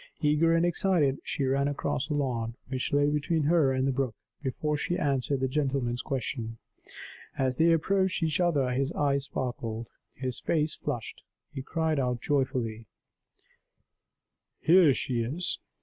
Eager and excited, she ran across the lawn which lay between her and the brook, before she answered the gentleman's question. As they approached each other, his eyes sparkled, his face flushed; he cried out joyfully, "Here she is!"